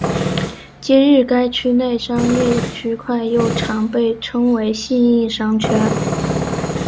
今日该区内之商业区块又常被称为信义商圈。